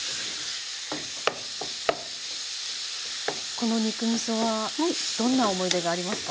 この肉みそはどんな思い出がありますか？